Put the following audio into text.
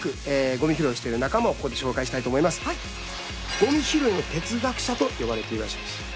ゴミ拾いの哲学者と呼ばれているらしいんです。